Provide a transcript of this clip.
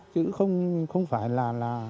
chứ không phải là